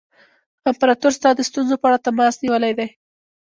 امپراطور ستا د ستونزو په اړه تماس نیولی دی.